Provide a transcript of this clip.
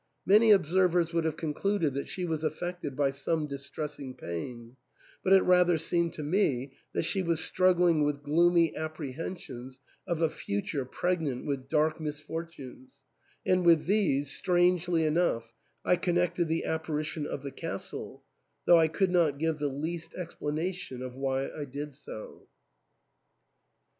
Many observers would have concluded that she was affected by some distressing pain ; but it rather seemed to me that she was struggling with gloomy ap prehensions of a future pregnant with dark misfort unes ; and with these, strangely enough, I connected the apparition of the castle, though I could not give the least explanation of why I did so.